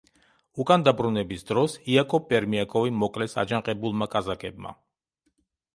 უკან დაბრუნების დროს იაკობ პერმიაკოვი მოკლეს, აჯანყებულმა კაზაკებმა.